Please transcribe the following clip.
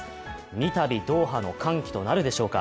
三たびドーハの歓喜となるでしょうか。